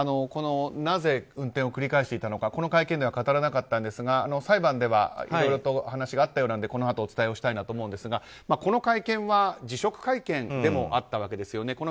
なぜ運転を繰り返していたのかこの会見では語らなかったんですが、裁判ではいろいろとお話があったようなのでこのあとお伝えしたいと思いますがこの会見は辞職会見でもあったわけですよね。